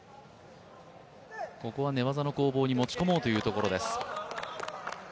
ここは寝技の攻防に持ち込もうというところです。